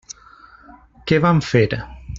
Què van fer?